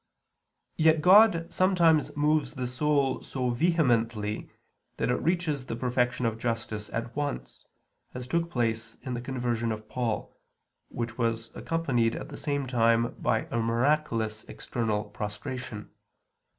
Yet God sometimes moves the soul so vehemently that it reaches the perfection of justice at once, as took place in the conversion of Paul, which was accompanied at the same time by a miraculous external prostration.